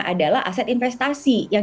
adalah aset investasi yang